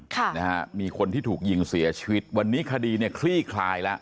ค่ะนะฮะมีคนที่ถูกยิงเสียชีวิตวันนี้คดีเนี่ยคลี่คลายแล้ว